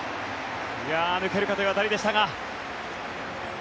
抜けるかという当たりでしたが。